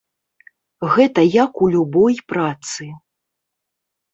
Гэта як у любой працы.